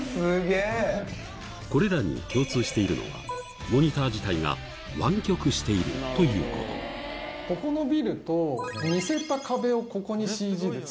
これらに共通しているのはモニター自体が湾曲しているということここのビルと似せた壁をここにＣＧで作って。